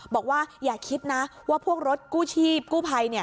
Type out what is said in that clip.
บอกว่าอย่าคิดนะว่าพวกรถกู้ชีพกู้ภัย